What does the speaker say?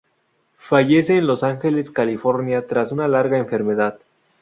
Fallece en Los Angeles, California tras una larga enfermedad.